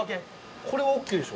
これはＯＫでしょ？